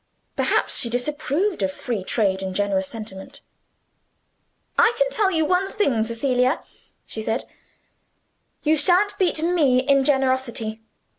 Perhaps she disapproved of free trade in generous sentiment. "I can tell you one thing, Cecilia," she said; "you shan't beat ME in generosity.